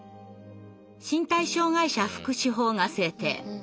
「身体障害者福祉法」が制定。